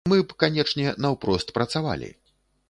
Мы б, канечне, наўпрост працавалі.